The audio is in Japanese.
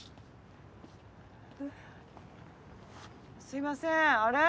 すいませんあれ？